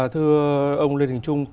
thưa ông lê thành trung